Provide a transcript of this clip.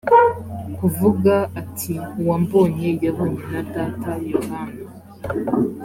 kuvuga ati uwambonye yabonye na data yohana